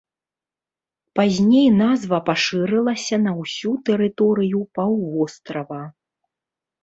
Пазней назва пашырылася на ўсю тэрыторыю паўвострава.